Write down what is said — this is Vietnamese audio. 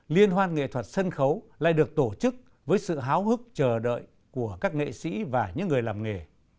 liên hoan nghệ thuật sân khấu lại được tổ chức với sự háo hức chờ đợi của các nghệ sĩ và những người làm nghề